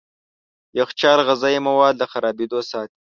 يخچال غذايي مواد له خرابېدو ساتي.